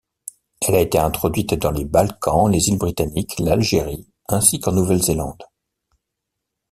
Elle a été introduite dans les Balkans, les îles Britanniques, l'Algérie ainsi qu'en Nouvelle-Zélande.